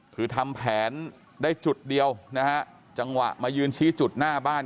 คือทำแผนได้จุดเดียวนะฮะจังหวะมายืนชี้จุดหน้าบ้าน